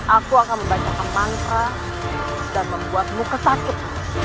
aku akan membacakan mantra dan membuatmu kesakit